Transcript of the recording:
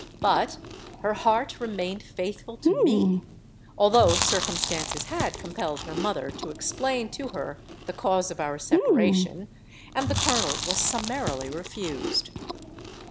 But her heart remained faithful to me, although circumstances had compelled her mother to explain to her the cause of our separation; and the Colonel was summarily refused.